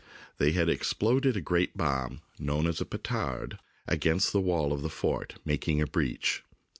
They had exploded a great bomb known as a " pe tard " against the wall of the fort, making a breach.